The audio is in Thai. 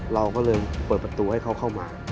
เราก็เลยเปิดประตูให้เขาเข้ามา